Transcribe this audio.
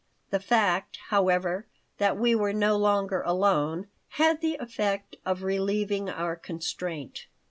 The fact, however, that we were no longer alone had the effect of relieving our constraint.